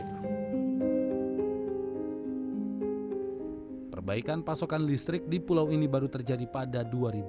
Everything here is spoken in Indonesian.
kebaikan pasokan listrik di pulau ini baru terjadi pada dua ribu lima belas